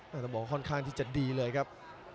ต้องบอกค่อนคั่งที่จะดีเลยครับ